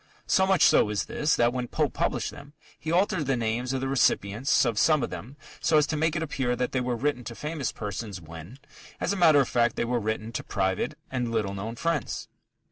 So much so is this, that when Pope published them, he altered the names of the recipients of some of them so as to make it appear that they were written to famous persons when, as a matter of fact, they were written to private and little known friends.